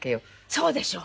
そうでしょう！